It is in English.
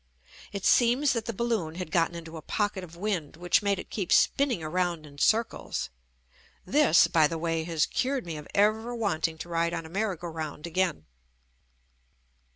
It seems that the balloon had gotten into a pocket of wind which made it keep spinning around in circles. This, by the way, has cured me of ever wanting to ride on a merry go round again.